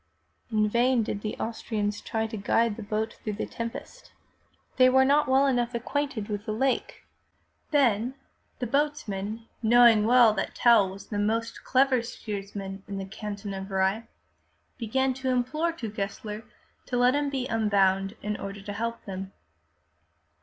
In vain did the Austrians try to guide the boat through the tempest. They were not well enough acquainted 292 FROM THE TOWER WINDOW with the lake. Then the boatsmen, knowing well that Tell was the most clever steersman in the canton of Uri, began to implore Gessler to let him be unbound in order to help them.